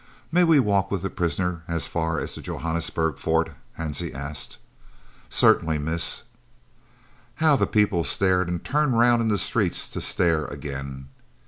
"May we walk with the prisoner as far as the Johannesburg Fort?" Hansie asked. "Certainly, miss." How the people stared and turned round in the street to stare again!